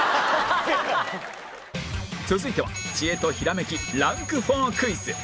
続いては知恵とひらめきランク４クイズ